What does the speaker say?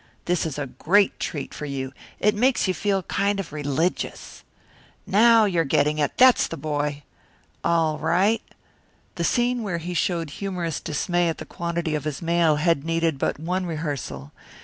This is a great treat for you. It makes you feel kind of religious. Now you're getting it that's the boy! All right " The scene where he showed humorous dismay at the quantity of his mail had needed but one rehearsal.